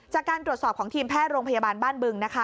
จากการตรวจสอบของทีมแพทย์โรงพยาบาลบ้านบึงนะคะ